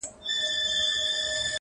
شپه په ښارونو د وطن راخوره شوېده